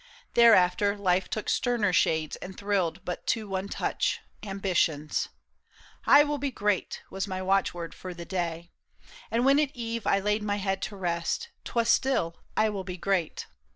Thereafter life took sterner shades and thrilled But to one touch, Ambition's. ' I will be Great !' was my watchword for the day ; And when at eve I laid my head to rest, 'Twas still, ' I will be great